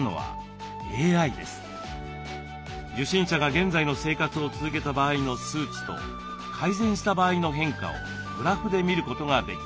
受診者が現在の生活を続けた場合の数値と改善した場合の変化をグラフで見ることができます。